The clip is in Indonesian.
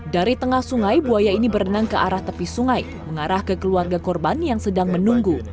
dari tengah sungai buaya ini berenang ke arah tepi sungai mengarah ke keluarga korban yang sedang menunggu